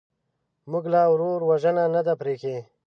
موږ لا ورور وژنه نه ده پرېښې.